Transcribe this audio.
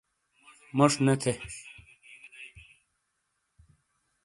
موش نے تھے